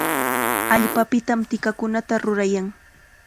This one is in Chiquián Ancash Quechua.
Allpapitam tikataqa rurayan.